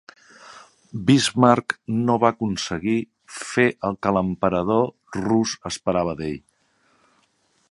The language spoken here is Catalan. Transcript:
Bismarck no va aconseguir fer el que l'emperador rus esperava d'ell.